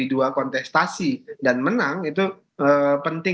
ini dua perci sweat yang sangat lebih menarik